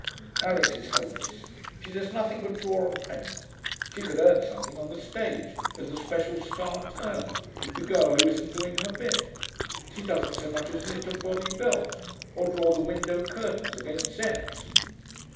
Alix is hopeless; she does nothing but draw and paint. She could earn something on the stage as the Special Star Turn, the Girl who isn't doing her bit. She doesn't so much as knit a body belt or draw the window curtains against Zepps.'